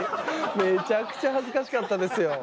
めちゃくちゃ恥ずかしかったですよ。